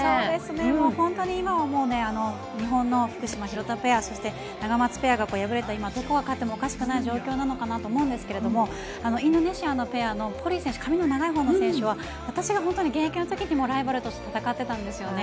もう本当に今は日本の福島・廣田ペアそしてナガマツペアが敗れた今どこが勝ってもおかしくない状況かなと思うんですがインドネシアのペアのポリイ選手髪の長いほうの選手は私が現役の時にもライバルとして戦っていたんですよね。